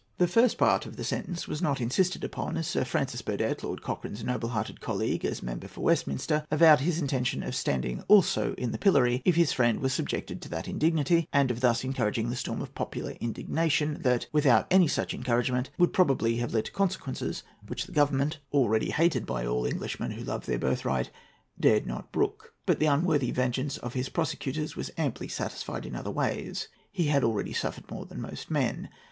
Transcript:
The first part of the sentence was not insisted upon, as Sir Francis Burdett, Lord Cochrane's noble hearted colleague as member for Westminster, avowed his intention of standing also in the pillory, if his friend was subjected to that indignity, and of thus encouraging the storm of popular indignation, that, without any such encouragement, would probably have led to consequences which the Government, already hated by all Englishmen who loved their birthright, dared not brook. But the unworthy vengeance of his persecutors was amply satisfied in other ways. He had already suffered more than most men.